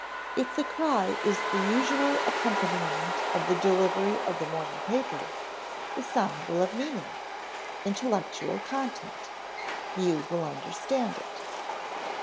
If the cry is the usual accompaniment of the delivery of the morning paper, the sound will have meaning, intellectual content; you will understand it.